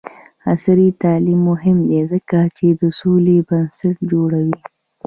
عصري تعلیم مهم دی ځکه چې د سولې بنسټ جوړوي.